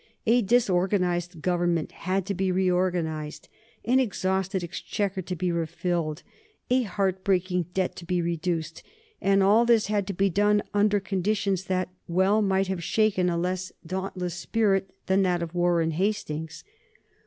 A disorganized government had to be reorganized, an exhausted exchequer to be refilled, a heart breaking debt to be reduced, and all this had to be done under conditions that well might have shaken a less dauntless spirit than that of Warren Hastings.